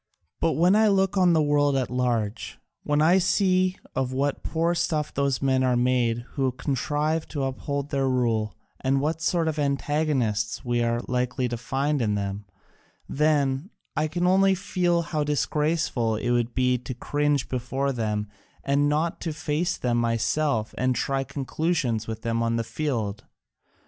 But when I look on the world at large, when I see of what poor stuff those men are made who contrive to uphold their rule and what sort of antagonists we are likely to find in them, then I can only feel how disgraceful it would be to cringe before them and not to face them myself and try conclusions with them on the field.